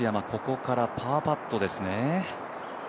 ここからパーパットですね。